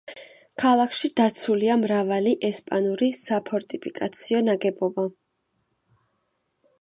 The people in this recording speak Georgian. ქალაქში დაცულია მრავალი ესპანური საფორტიფიკაციო ნაგებობა.